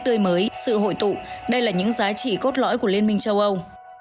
tươi mới sự hội tụ đây là những giá trị cốt lõi của liên minh châu âu